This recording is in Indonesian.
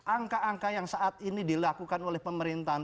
angka angka yang saat ini dilakukan oleh pemerintahan